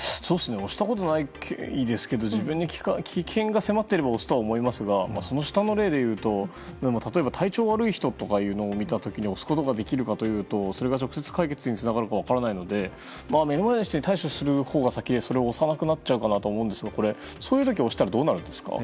押したことないですけど自分に危険が迫っていれば押すとは思いますがその下の例でいうと例えば、体調悪い人を見た時に押すことができるかなとそれが直接解決につながるか分からないので目の人に対処するのが先で、それを押さなくなっちゃうのかなと思うんですがそういう時、押したらどうなるんですか。